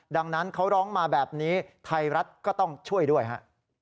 ดังนั้นเขาร้องมาแบบนี้ไทยรัฐก็ต้องช่วยด้วยฮะ